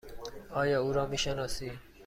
آیا او را می شناسی؟